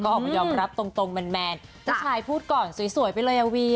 ออกมายอมรับตรงแมนเจ้าชายพูดก่อนสวยไปเลยอ่ะวี